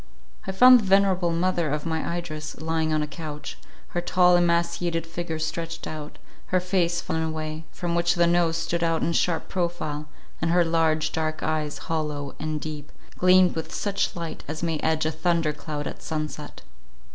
I found the venerable mother of my Idris lying on a couch, her tall emaciated figure stretched out; her face fallen away, from which the nose stood out in sharp profile, and her large dark eyes, hollow and deep, gleamed with such light as may edge a thunder cloud at sun set.